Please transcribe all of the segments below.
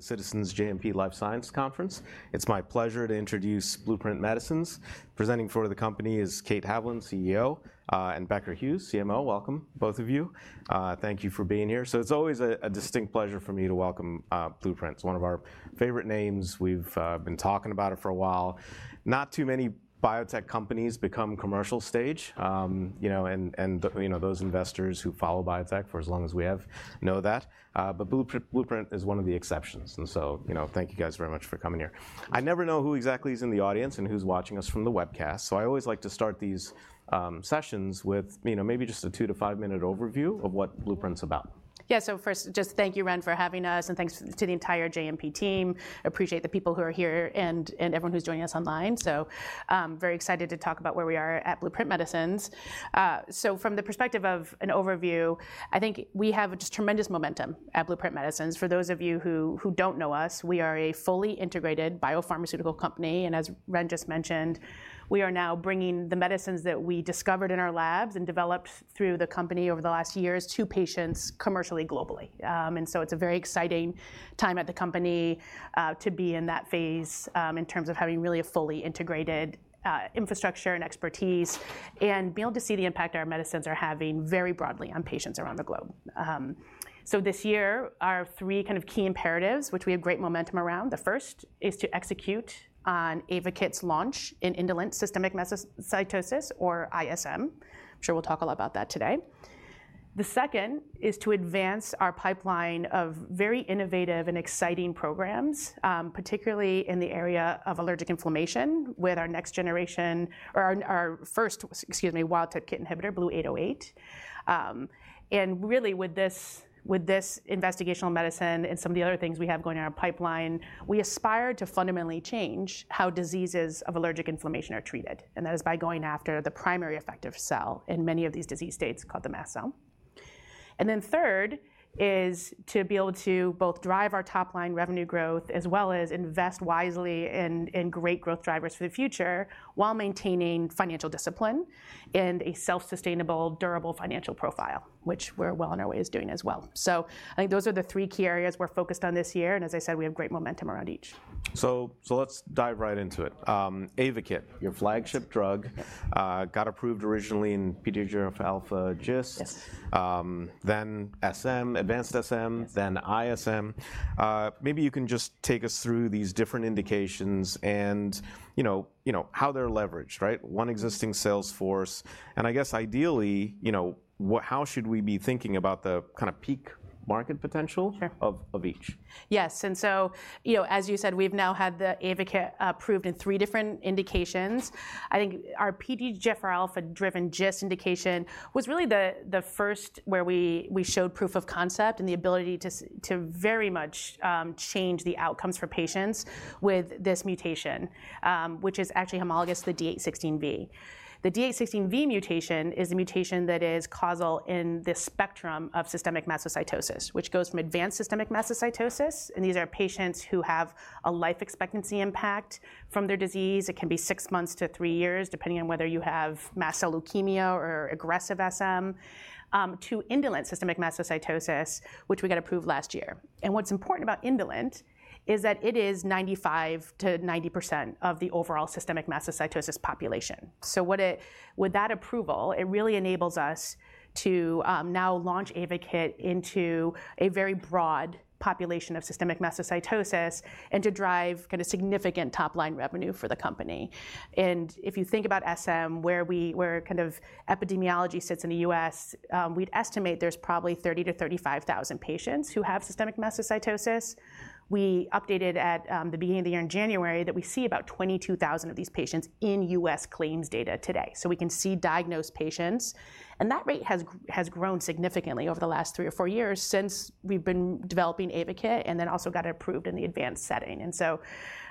Citizens JMP Life Sciences Conference. It's my pleasure to introduce Blueprint Medicines. Presenting for the company is Kate Haviland, CEO, and Becker Hewes, CMO. Welcome, both of you. Thank you for being here. So it's always a distinct pleasure for me to welcome Blueprint. It's one of our favorite names. We've been talking about it for a while. Not too many biotech companies become commercial stage, and those investors who follow biotech for as long as we have know that but Blueprint is one of the exceptions. So thank you guys very much for coming here. I never know who exactly is in the audience and who's watching us from the webcast. So I always like to start these sessions with maybe just a 2-5 minute overview of what Blueprint's about. Yeah. So first, just thank you, Ren, for having us and thanks to the entire JMP team. Appreciate the people who are here and everyone who's joining us online. So very excited to talk about where we are at Blueprint Medicines. So from the perspective of an overview, I think we have just tremendous momentum at Blueprint Medicines. For those of you who don't know us, we are a fully integrated biopharmaceutical company. As Ren just mentioned, we are now bringing the medicines that we discovered in our labs and developed through the company over the last years to patients commercially globally. So it's a very exciting time at the company to be in that phase in terms of having really a fully integrated infrastructure and expertise and being able to see the impact our medicines are having very broadly on patients around the globe. So this year, our three kind of key imperatives, which we have great momentum around, the first is to execute on AYVAKIT's launch in indolent systemic mastocytosis, or ISM. I'm sure we'll talk a lot about that today. The second is to advance our pipeline of very innovative and exciting programs, particularly in the area of allergic inflammation, with our next generation or our first, excuse me, wild-type KIT inhibitor, BLU-808. Really, with this investigational medicine and some of the other things we have going on our pipeline, we aspire to fundamentally change how diseases of allergic inflammation are treated and that is by going after the primary effective cell in many of these disease states called the mast cell. Then third is to be able to both drive our top-line revenue growth as well as invest wisely in great growth drivers for the future while maintaining financial discipline and a self-sustainable, durable financial profile, which we're well on our way to doing as well. So I think those are the three key areas we're focused on this year and as I said, we have great momentum around each. So let's dive right into it. AYVAKIT, your flagship drug. Got approved originally in PDGF-alpha GIST, then SM, Advanced SM, then ISM. Maybe you can just take us through these different indications and how they're leveraged, right? One existing sales force. I guess ideally, how should we be thinking about the kind of peak market potential of each? Yes. So as you said, we've now had the AYVAKIT approved in three different indications. I think our PDGF-alpha-driven GIST indication was really the first where we showed proof of concept and the ability to very much change the outcomes for patients with this mutation, which is actually homologous to the D816V. The D816V mutation is the mutation that is causal in the spectrum of systemic mastocytosis, which goes from advanced systemic mastocytosis, and these are patients who have a life expectancy impact from their disease. It can be six months to three years, depending on whether you have mast cell leukemia or aggressive SM, to indolent systemic mastocytosis, which we got approved last year. What's important about indolent is that it is 95%-90% of the overall systemic mastocytosis population. So with that approval, it really enables us to now launch AYVAKIT into a very broad population of systemic mastocytosis and to drive kind of significant top-line revenue for the company. If you think about SM, where kind of epidemiology sits in the U.S., we'd estimate there's probably 30,000-35,000 patients who have systemic mastocytosis. We updated at the beginning of the year in January that we see about 22,000 of these patients in U.S. claims data today. So we can see diagnosed patients and that rate has grown significantly over the last three or four years since we've been developing AYVAKIT and then also got it approved in the advanced setting. So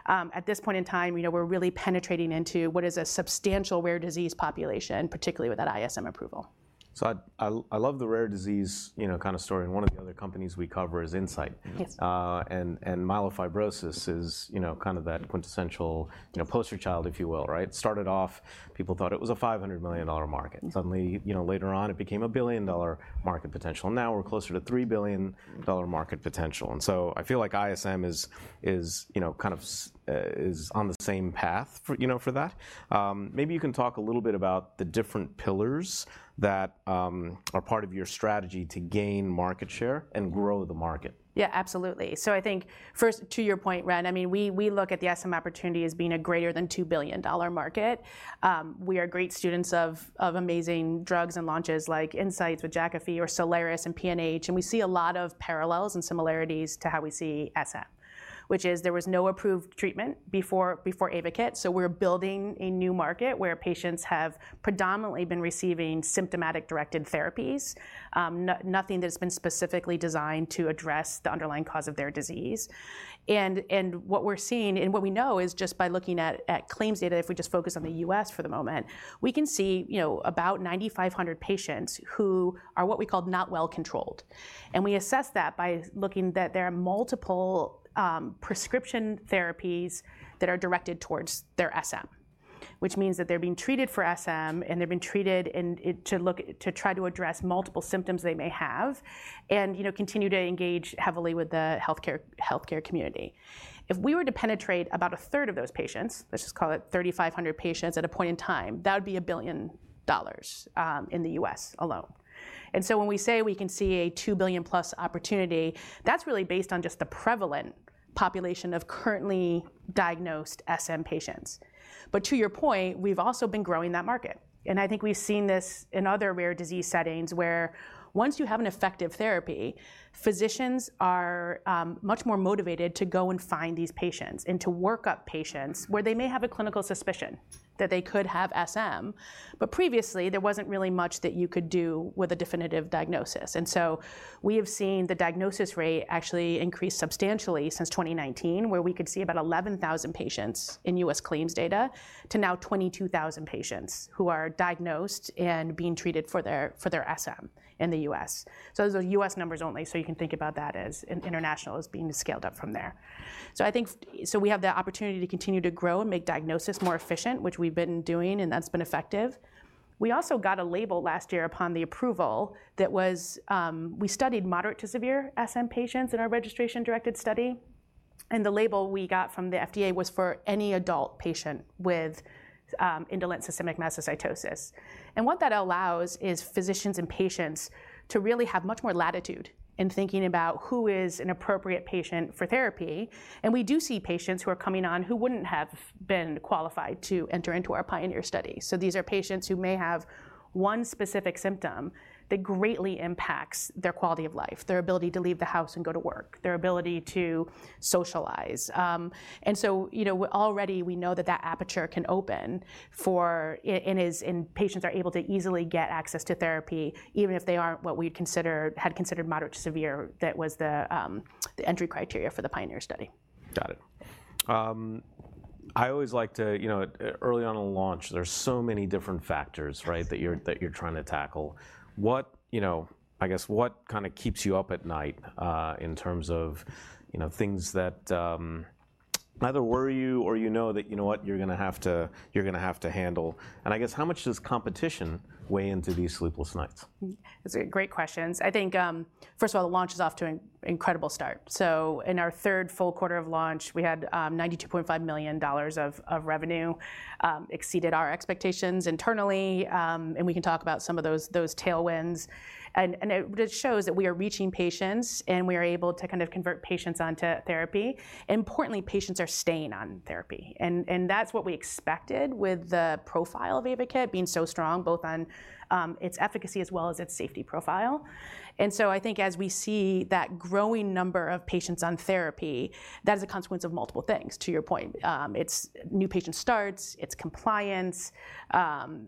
at this point in time, we're really penetrating into what is a substantial rare disease population, particularly with that ISM approval. So I love the rare disease kind of story and one of the other companies we cover is Incyte. Myelofibrosis is kind of that quintessential poster child, if you will, right? It started off, people thought it was a $500 million market. Suddenly, later on, it became a billion-dollar market potential and now we're closer to $3 billion market potential. So I feel like ISM is kind of on the same path for that. Maybe you can talk a little bit about the different pillars that are part of your strategy to gain market share and grow the market. Yeah, absolutely. I think first, to your point, Ren, I mean, we look at the SM opportunity as being a greater than $2 billion market. We are great students of amazing drugs and launches like Incyte with Jakafi or Soliris and PNH and we see a lot of parallels and similarities to how we see SM, which is there was no approved treatment before AYVAKIT. So we're building a new market where patients have predominantly been receiving symptomatic-directed therapies, nothing that's been specifically designed to address the underlying cause of their disease and what we're seeing and what we know is just by looking at claims data, if we just focus on the U.S. for the moment, we can see about 9,500 patients who are what we call not well-controlled. We assess that by looking that there are multiple prescription therapies that are directed towards their SM, which means that they're being treated for SM, and they're being treated to try to address multiple symptoms they may have and continue to engage heavily with the health care community. If we were to penetrate about 1/3 of those patients, let's just call it 3,500 patients at a point in time, that would be $1 billion in the U.S. alone and so when we say we can see a $2 billion+ opportunity, that's really based on just the prevalent population of currently diagnosed SM patients. But to your point, we've also been growing that market. I think we've seen this in other rare disease settings where once you have an effective therapy, physicians are much more motivated to go and find these patients and to work up patients where they may have a clinical suspicion that they could have SM. But previously, there wasn't really much that you could do with a definitive diagnosis. So we have seen the diagnosis rate actually increase substantially since 2019, where we could see about 11,000 patients in U.S. claims data to now 22,000 patients who are diagnosed and being treated for their SM in the U.S. So those are U.S. numbers only, so you can think about that as international as being scaled up from there. So I think we have the opportunity to continue to grow and make diagnosis more efficient, which we've been doing, and that's been effective. We also got a label last year upon the approval that we studied moderate to severe SM patients in our registration-directed study. The label we got from the FDA was for any adult patient with indolent systemic mastocytosis. What that allows is physicians and patients to really have much more latitude in thinking about who is an appropriate patient for therapy. We do see patients who are coming on who wouldn't have been qualified to enter into our PIONEER study. So these are patients who may have one specific symptom that greatly impacts their quality of life, their ability to leave the house and go to work, their ability to socialize. So already we know that that aperture can open for advanced patients and are able to easily get access to therapy even if they aren't what we had considered moderate to severe. That was the entry criteria for the PIONEER study. Got it. I always like to early on in launch, there's so many different factors that you're trying to tackle. I guess what kind of keeps you up at night in terms of things that either worry you or you know that you know what, you're going to have to handle? I guess how much does competition weigh into these sleepless nights? Those are great questions. I think, first of all, the launch is off to an incredible start. So in our third full quarter of launch, we had $92.5 million of revenue exceeded our expectations internally and we can talk about some of those tailwinds and it shows that we are reaching patients, and we are able to kind of convert patients onto therapy. Importantly, patients are staying on therapy. That's what we expected with the profile of AYVAKIT being so strong, both on its efficacy as well as its safety profile. So I think as we see that growing number of patients on therapy, that is a consequence of multiple things, to your point. It's new patient starts, it's compliance,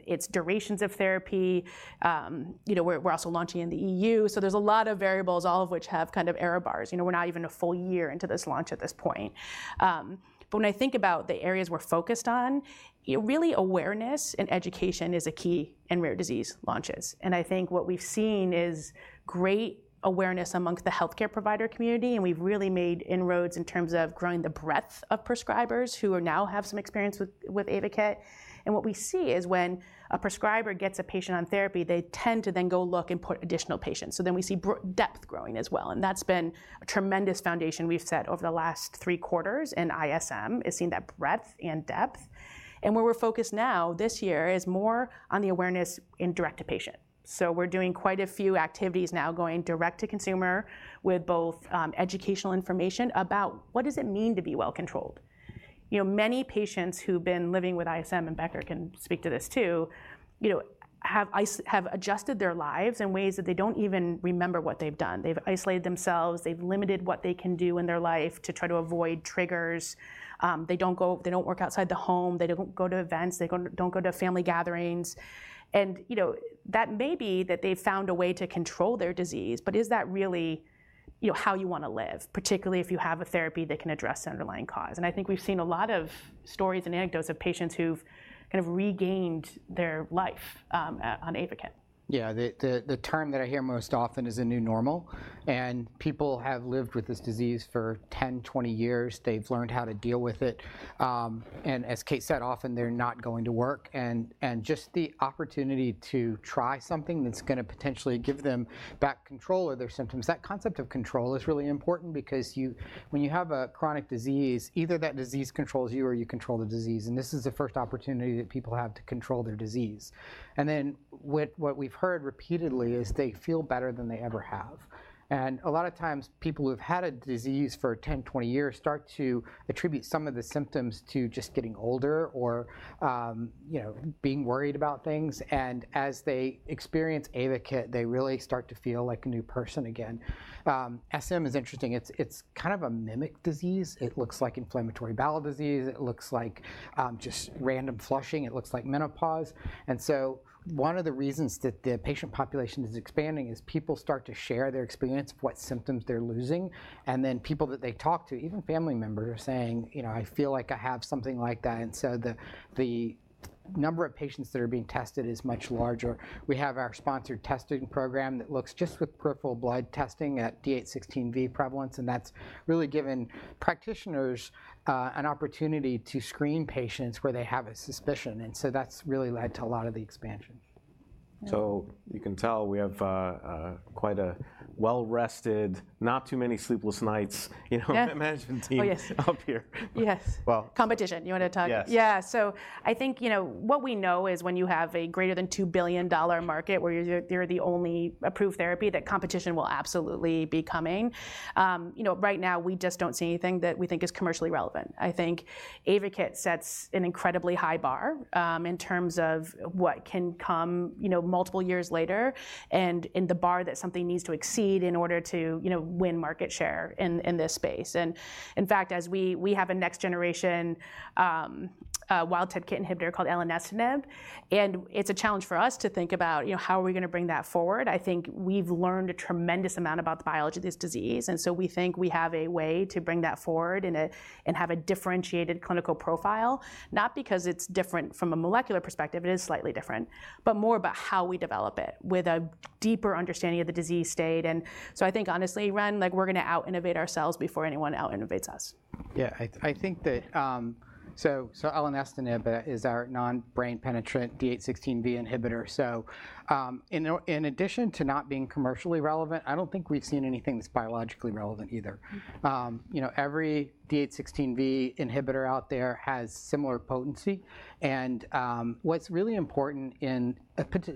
it's durations of therapy. We're also launching in the EU. So there's a lot of variables, all of which have kind of error bars. We're not even a full year into this launch at this point. But when I think about the areas we're focused on, really awareness and education is a key in rare disease launches. I think what we've seen is great awareness among the health care provider community and we've really made inroads in terms of growing the breadth of prescribers who now have some experience with AYVAKIT. What we see is when a prescriber gets a patient on therapy, they tend to then go look and put additional patients. So then we see depth growing as well and that's been a tremendous foundation we've set over the last three quarters in ISM. It's seen that breadth and depth. Where we're focused now this year is more on the awareness and direct to patient. So we're doing quite a few activities now going direct to consumer with both educational information about what does it mean to be well-controlled. Many patients who've been living with ISM, and Becker Hewes can speak to this too, have adjusted their lives in ways that they don't even remember what they've done. They've isolated themselves. They've limited what they can do in their life to try to avoid triggers. They don't work outside the home. They don't go to events. They don't go to family gatherings and that may be that they've found a way to control their disease. But is that really how you want to live, particularly if you have a therapy that can address an underlying cause? I think we've seen a lot of stories and anecdotes of patients who've kind of regained their life on AYVAKIT. Yeah, the term that I hear most often is a new normal and people have lived with this disease for 10, 20 years. They've learned how to deal with it. As Kate said, often they're not going to work. Just the opportunity to try something that's going to potentially give them back control of their symptoms, that concept of control is really important because when you have a chronic disease, either that disease controls you or you control the disease, and this is the first opportunity that people have to control their disease. Then what we've heard repeatedly is they feel better than they ever have. A lot of times, people who have had a disease for 10, 20 years start to attribute some of the symptoms to just getting older or being worried about things. As they experience AYVAKIT, they really start to feel like a new person again. SM is interesting. It's kind of a mimic disease. It looks like inflammatory bowel disease. It looks like just random flushing. It looks like menopause. So one of the reasons that the patient population is expanding is people start to share their experience of what symptoms they're losing, and then people that they talk to, even family members, are saying, I feel like I have something like that and so the number of patients that are being tested is much larger. We have our sponsored testing program that looks just with peripheral blood testing at D816V prevalence and that's really given practitioners an opportunity to screen patients where they have a suspicion. So that's really led to a lot of the expansion. You can tell we have quite a well-rested, not too many sleepless nights imagine team up here. Yes. Competition. You want to talk? Yeah. So I think what we know is when you have a greater than $2 billion market where you're the only approved therapy, that competition will absolutely be coming. Right now, we just don't see anything that we think is commercially relevant. I think AYVAKIT sets an incredibly high bar in terms of what can come multiple years later and in the bar that something needs to exceed in order to win market share in this space. In fact, as we have a next generation wild-type KIT inhibitor called elenestinib and it's a challenge for us to think about how are we going to bring that forward. I think we've learned a tremendous amount about the biology of this disease. So we think we have a way to bring that forward and have a differentiated clinical profile, not because it's different from a molecular perspective. It is slightly different but more about how we develop it with a deeper understanding of the disease state. So I think, honestly, Ren, we're going to out-innovate ourselves before anyone out-innovates us. Yeah, I think that so elenestinib is our non-brain penetrant D816V inhibitor. So in addition to not being commercially relevant, I don't think we've seen anything that's biologically relevant either. Every D816V inhibitor out there has similar potency and what's really important,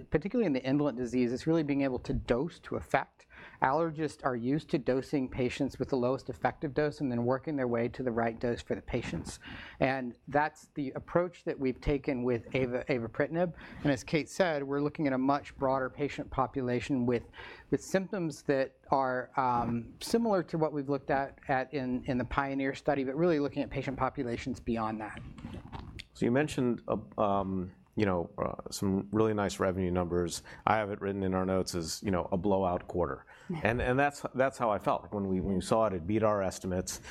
particularly in the indolent disease, is really being able to dose to effect. Allergists are used to dosing patients with the lowest effective dose and then working their way to the right dose for the patients and that's the approach that we've taken with avapritinib. As Kate said, we're looking at a much broader patient population with symptoms that are similar to what we've looked at in the PIONEER study, but really looking at patient populations beyond that. You mentioned some really nice revenue numbers. I have it written in our notes as a blowout quarter. That's how I felt. When we saw it, it beat our estimates.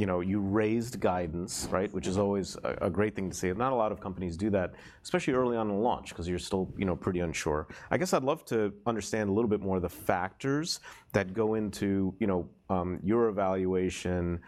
You raised guidance, which is always a great thing to see. Not a lot of companies do that, especially early on in launch, because you're still pretty unsure. I guess I'd love to understand a little bit more of the factors that go into your evaluation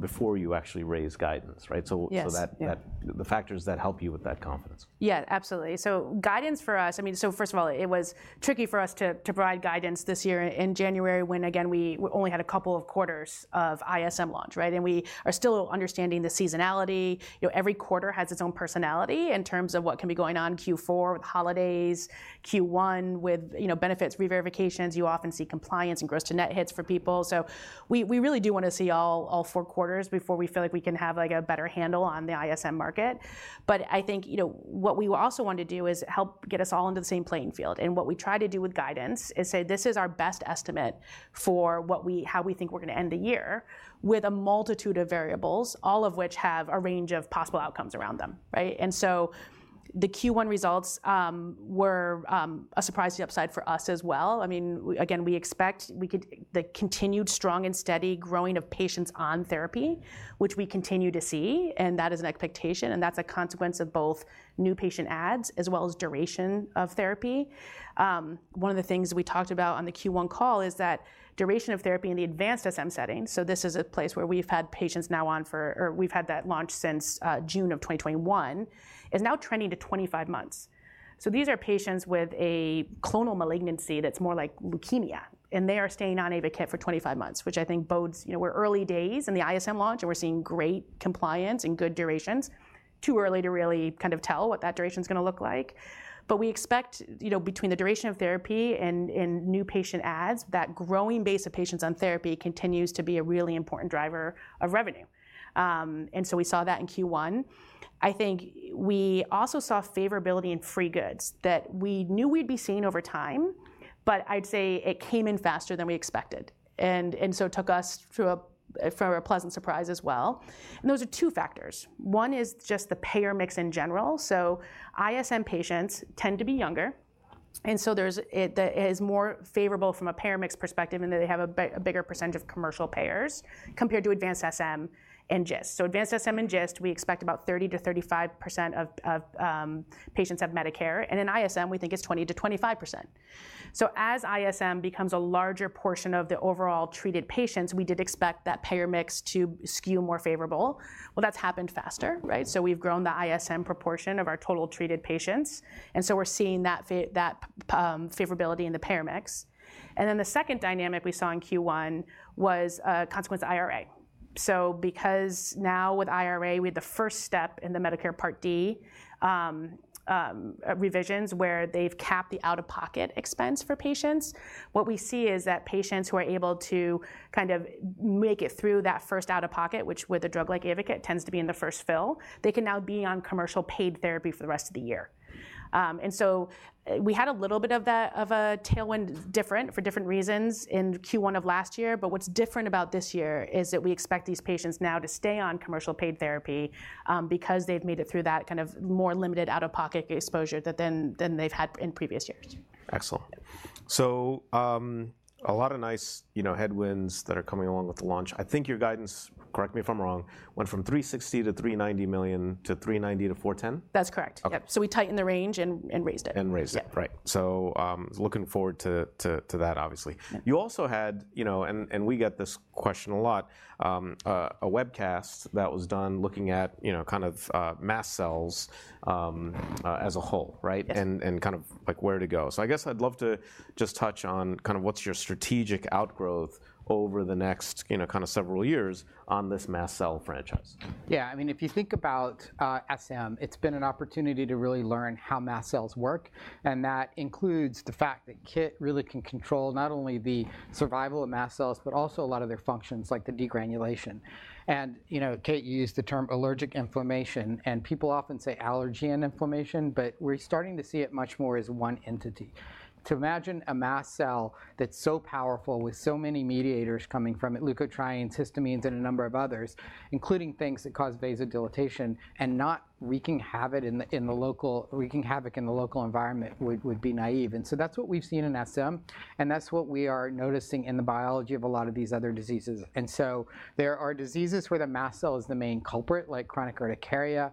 before you actually raise guidance, so the factors that help you with that confidence. Yeah, absolutely. So guidance for us, I mean, so first of all, it was tricky for us to provide guidance this year in January when, again, we only had a couple of quarters of ISM launch. We are still understanding the seasonality. Every quarter has its own personality in terms of what can be going on Q4 with holidays, Q1 with benefits re-verifications. You often see compliance and gross-to-net hits for people. So we really do want to see all four quarters before we feel like we can have a better handle on the ISM market. But I think what we also want to do is help get us all into the same playing field. What we try to do with guidance is say, this is our best estimate for how we think we're going to end the year with a multitude of variables, all of which have a range of possible outcomes around them. So the Q1 results were a surprising upside for us as well. I mean, again, we expect the continued strong and steady growing of patients on therapy, which we continue to see. That is an expectation. That's a consequence of both new patient adds as well as duration of therapy. One of the things we talked about on the Q1 call is that duration of therapy in the advanced SM setting, so this is a place where we've had patients now on for or we've had that launch since June of 2021, is now trending to 25 months. So these are patients with a clonal malignancy that's more like leukemia and they are staying on AYVAKIT for 25 months, which I think bodes well we're early days in the ISM launch, and we're seeing great compliance and good durations. Too early to really kind of tell what that duration is going to look like. But we expect between the duration of therapy and new patient adds, that growing base of patients on therapy continues to be a really important driver of revenue. So we saw that in Q1. I think we also saw favorability in free goods that we knew we'd be seeing over time, but I'd say it came in faster than we expected and so it took us for a pleasant surprise as well. Those are two factors. One is just the payer mix in general. So ISM patients tend to be younger. So it is more favorable from a payer mix perspective in that they have a bigger percentage of commercial payers compared to Advanced SM and GIST. So Advanced SM and GIST, we expect about 30%-35% of patients have Medicare. and in ISM, we think it's 20%-25%. So as ISM becomes a larger portion of the overall treated patients, we did expect that payer mix to skew more favorable. Well, that's happened faster. So we've grown the ISM proportion of our total treated patients. So we're seeing that favorability in the payer mix. Then the second dynamic we saw in Q1 was a consequence of IRA. So because now with IRA, we had the first step in the Medicare Part D revisions where they've capped the out-of-pocket expense for patients, what we see is that patients who are able to kind of make it through that first out-of-pocket, which with a drug like AYVAKIT tends to be in the first fill, they can now be on commercial paid therapy for the rest of the year. So we had a little bit of a tailwind different for different reasons in Q1 of last year, but what's different about this year is that we expect these patients now to stay on commercial paid therapy because they've made it through that kind of more limited out-of-pocket exposure than they've had in previous years. Excellent. So a lot of nice headwinds that are coming along with the launch. I think your guidance, correct me if I'm wrong, went from $360 million-$390 million-$390 million-$410 million. That's correct. So we tightened the range and raised it. Raised it, right. So looking forward to that, obviously. You also had, and we get this question a lot, a webcast that was done looking at kind of mast cells as a whole and kind of where to go. So I guess I'd love to just touch on kind of what's your strategic outgrowth over the next kind of several years on this mast cell franchise. Yeah, I mean, if you think about SM, it's been an opportunity to really learn how mast cells work and that includes the fact that KIT really can control not only the survival of mast cells but also a lot of their functions, like the degranulation. Kate, you used the term allergic inflammation, and people often say allergy and inflammation. But we're starting to see it much more as one entity. To imagine a mast cell that's so powerful with so many mediators coming from it, leukotrienes, histamines, and a number of others, including things that cause vasodilatation, and not wreaking havoc in the local environment would be naive. So that's what we've seen in SM, and that's what we are noticing in the biology of a lot of these other diseases. So there are diseases where the mast cell is the main culprit, like chronic urticaria,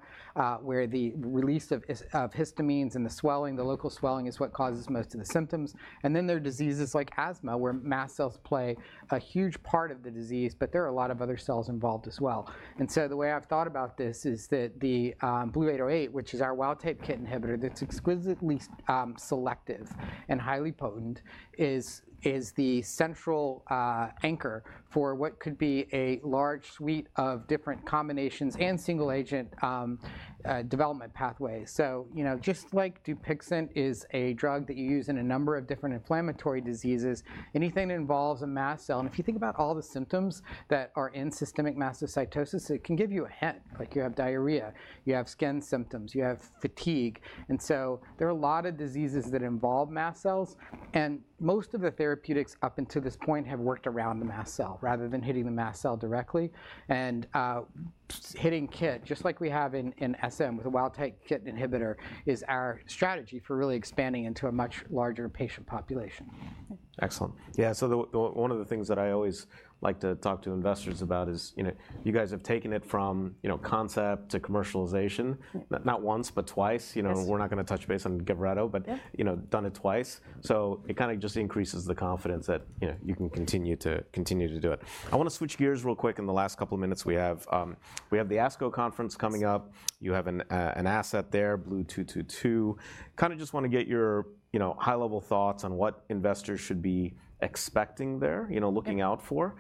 where the release of histamines and the swelling, the local swelling, is what causes most of the symptoms. Then there are diseases like asthma, where mast cells play a huge part of the disease. But there are a lot of other cells involved as well. So the way I've thought about this is that the BLU-808, which is our wild-type KIT inhibitor that's exquisitely selective and highly potent, is the central anchor for what could be a large suite of different combinations and single-agent development pathways. So just like Dupixent is a drug that you use in a number of different inflammatory diseases, anything that involves a mast cell and if you think about all the symptoms that are in systemic mastocytosis, it can give you a hint. You have diarrhea. You have skin symptoms. You have fatigue. So there are a lot of diseases that involve mast cells and most of the therapeutics up until this point have worked around the mast cell rather than hitting the mast cell directly and hitting KIT, just like we have in SM with a wild-type KIT inhibitor, is our strategy for really expanding into a much larger patient population. Excellent. Yeah, so one of the things that I always like to talk to investors about is you guys have taken it from concept to commercialization, not once but twice. We're not going to touch base on GAVRETO. But done it twice. So it kind of just increases the confidence that you can continue to do it. I want to switch gears real quick in the last couple of minutes. We have the ASCO conference coming up. You have an asset there, BLU-222. Kind of just want to get your high-level thoughts on what investors should be expecting there, looking out for.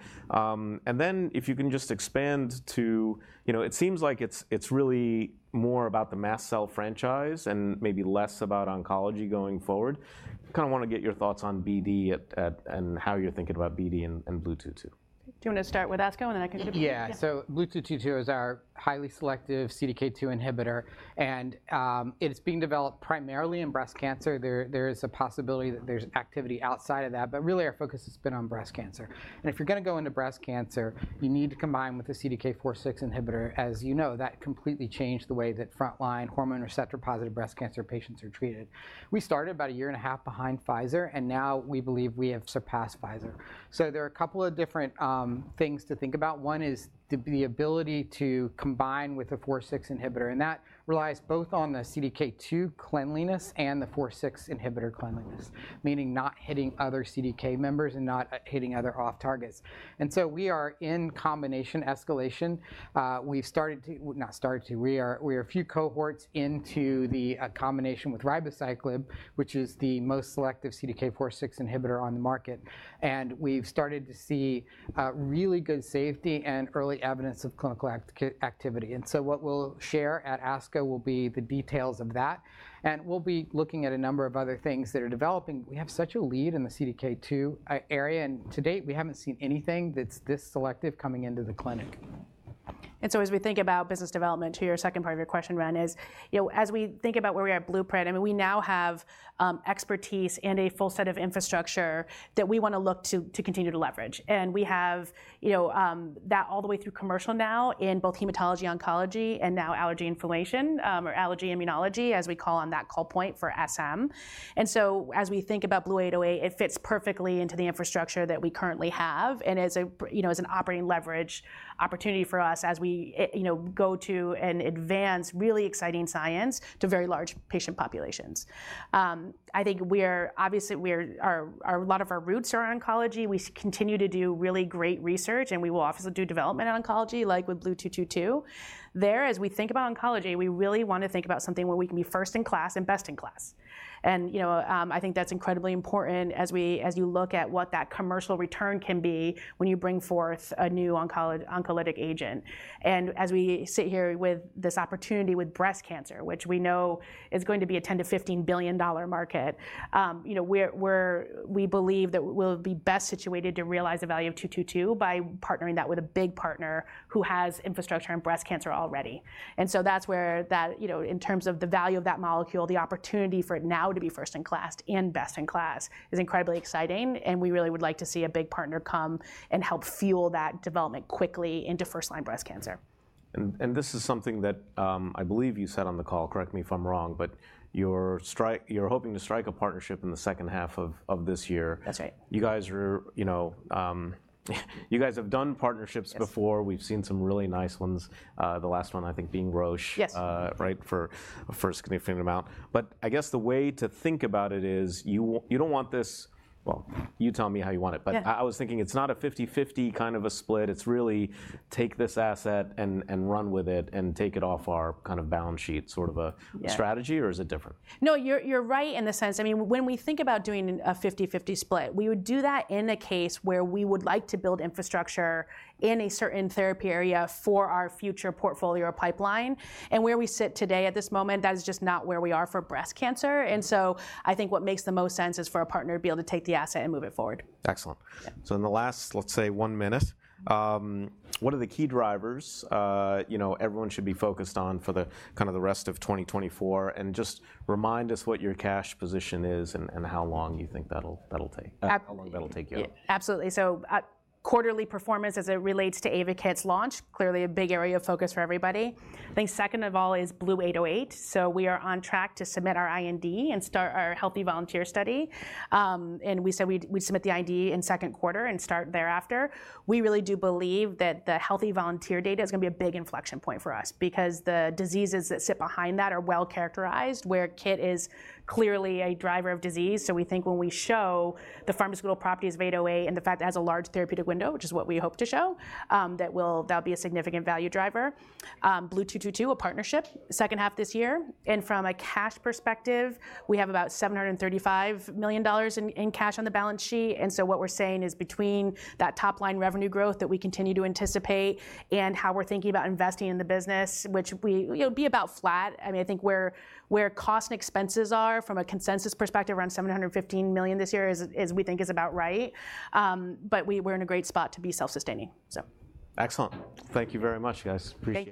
Then if you can just expand to it seems like it's really more about the mast cell franchise and maybe less about oncology going forward. Kind of want to get your thoughts on BD and how you're thinking about BD and BLU-222. Do you want to start with ASCO? Then I can jump in. Yeah, so BLU-222 is our highly selective CDK2 inhibitor. It's being developed primarily in breast cancer. There is a possibility that there's activity outside of that. But really, our focus has been on breast cancer. If you're going to go into breast cancer, you need to combine with a CDK4/6 inhibitor. As you know, that completely changed the way that frontline hormone receptor-positive breast cancer patients are treated. We started about a year and a half behind Pfizer. Now we believe we have surpassed Pfizer. So there are a couple of different things to think about. One is the ability to combine with a 4/6 inhibitor. That relies both on the CDK2 cleanliness and the 4/6 inhibitor cleanliness, meaning not hitting other CDK members and not hitting other off-targets. So we are in combination escalation. We've started to, we are a few cohorts into the combination with ribociclib, which is the most selective CDK4/6 inhibitor on the market. We've started to see really good safety and early evidence of clinical activity. So what we'll share at ASCO will be the details of that. We'll be looking at a number of other things that are developing. We have such a lead in the CDK2 area. To-date, we haven't seen anything that's this selective coming into the clinic. So as we think about business development, too, your second part of your question, Ren, is as we think about where we are at Blueprint, I mean, we now have expertise and a full set of infrastructure that we want to look to continue to leverage. We have that all the way through commercial now in both hematology, oncology, and now allergy inflammation or allergy immunology, as we call on that call point for SM. So as we think about BLU-808, it fits perfectly into the infrastructure that we currently have and is an operating leverage opportunity for us as we go to and advance really exciting science to very large patient populations. I think obviously, a lot of our roots are on oncology. We continue to do really great research. We will also do development on oncology, like with BLU-222. There, as we think about oncology, we really want to think about something where we can be first in class and best in class. I think that's incredibly important as you look at what that commercial return can be when you bring forth a new oncolytic agent. As we sit here with this opportunity with breast cancer, which we know is going to be a $10-$15 billion market, we believe that we'll be best situated to realize the value of 222 by partnering that with a big partner who has infrastructure in breast cancer already. So that's where, in terms of the value of that molecule, the opportunity for it now to be first in class and best in class is incredibly exciting. We really would like to see a big partner come and help fuel that development quickly into first-line breast cancer. This is something that I believe you said on the call. Correct me if I'm wrong. You're hoping to strike a partnership in the second half of this year. That's right. You guys have done partnerships before. We've seen some really nice ones, the last one, I think, being Roche for a significant amount. But I guess the way to think about it is you don't want this, well, you tell me how you want it. But I was thinking it's not a 50/50 kind of a split. It's really take this asset and run with it and take it off our kind of balance sheet sort of a strategy or is it different? No, you're right in the sense. I mean, when we think about doing a 50/50 split, we would do that in a case where we would like to build infrastructure in a certain therapy area for our future portfolio or pipeline and where we sit today at this moment, that is just not where we are for breast cancer. So I think what makes the most sense is for a partner to be able to take the asset and move it forward. Excellent. So in the last, let's say, one minute, what are the key drivers everyone should be focused on for kind of the rest of 2024 and just remind us what your cash position is and how long you think that'll take, how long that'll take you out. Absolutely. So quarterly performance as it relates to AYVAKIT's launch, clearly a big area of focus for everybody. I think second of all is BLU-808. So we are on track to submit our IND and start our healthy volunteer study and we said we'd submit the IND in second quarter and start thereafter. We really do believe that the Healthy Volunteer data is going to be a big inflection point for us because the diseases that sit behind that are well characterized, where KIT is clearly a driver of disease. So we think when we show the pharmaceutical properties of 808 and the fact that it has a large therapeutic window, which is what we hope to show, that will be a significant value driver. BLU-222, a partnership, second half this year. From a cash perspective, we have about $735 million in cash on the balance sheet. So what we're saying is between that top-line revenue growth that we continue to anticipate and how we're thinking about investing in the business, which would be about flat. I mean, I think where costs and expenses are from a consensus perspective around $715 million this year is, we think, about right. We're in a great spot to be self-sustaining. Excellent. Thank you very much, guys. Appreciate it.